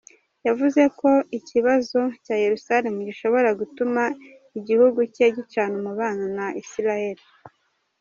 Yavuze ko ikibazo cya Yeruzalemu gishobora gutuma igihugu cye gicana umubano na Israeli.